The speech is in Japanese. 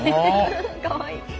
かわいい。